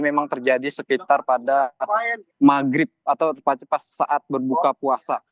memang terjadi sekitar pada maghrib atau pas saat berbuka puasa